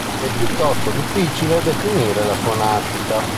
È piuttosto difficile definire la sua nascita.